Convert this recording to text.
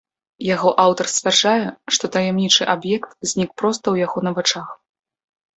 Яго аўтар сцвярджае, што таямнічы аб'ект знік проста ў яго на вачах.